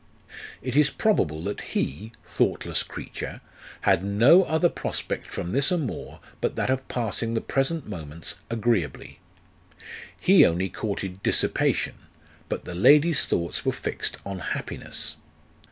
It is probable that he, thoughtless creature, had no other prospect from this amour but that of passing the present moments agreeably. He only courted dissipation, but the lady's thoughts were fixed on happiness.